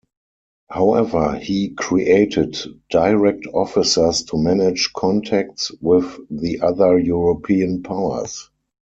However, he created direct officers to manage contacts with the other European powers.